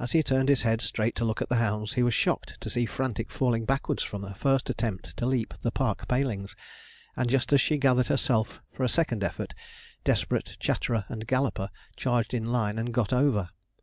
As he turned his head straight to look at his hounds, he was shocked to see Frantic falling backwards from a first attempt to leap the park palings, and just as she gathered herself for a second effort, Desperate, Chatterer, and Galloper, charged in line and got over.